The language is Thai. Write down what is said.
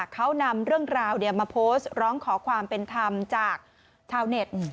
เขานำเรื่องราวมาโพสต์ร้องขอความเป็นธรรมจากชาวเน็ต